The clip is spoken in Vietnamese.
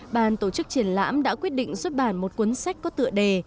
bàn tổ chức triển lãm đã quyết định xuất bản một cuốn sách có tựa đề